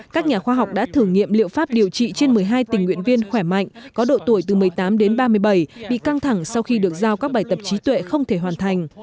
các nhà khoa học đã thử nghiệm liệu pháp điều trị trên một mươi hai tình nguyện viên khỏe mạnh có độ tuổi từ một mươi tám đến ba mươi bảy bị căng thẳng sau khi được giao các bài tập trí tuệ không thể hoàn thành